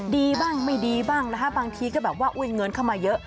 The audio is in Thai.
ดีบ้างไม่ดีบ้างนะคะบางทีก็แบบว่าอุ้ยเงินเข้ามาเยอะ